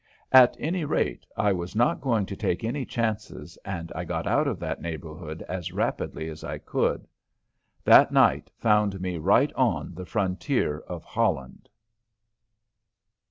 At any rate, I was not going to take any chances and I got out of that neighborhood as rapidly as I could. That night found me right on the frontier of Holland.